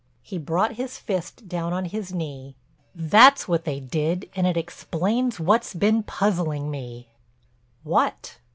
He brought his fist down on his knee. "That's what they did and it explains what's been puzzling me." "What?"